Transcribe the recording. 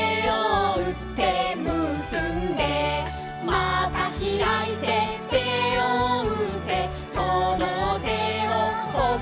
「またひらいて手をうってその手をほっぺに」